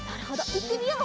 いってみよう。